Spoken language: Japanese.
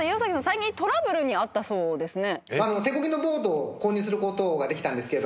最近トラブルに遭ったそうですね？